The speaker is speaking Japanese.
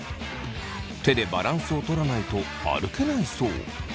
手でバランスをとらないと歩けないそう。